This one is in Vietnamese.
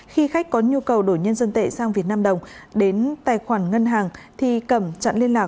khi khách có nhu cầu đổi nhân dân tệ sang vnđ đến tài khoản ngân hàng thì cẩm chặn liên lạc